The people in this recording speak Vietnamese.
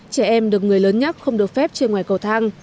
trẻ em được người lớn nhắc không được phép trên ngoài cầu thang